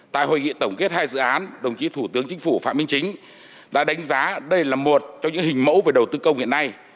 tại hội nghị tổng kết hai dự án đồng chí thủ tướng chính phủ phạm minh chính đã đánh giá đây là một trong những hình mẫu về đầu tư công hiện nay